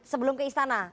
sebelum ke istana